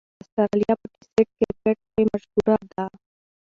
اسټرالیا په ټېسټ کرکټ کښي مشهوره ده.